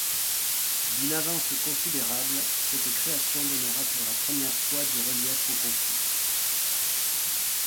D’une avancée considérable, cette création donnera pour la première fois du relief au conflit.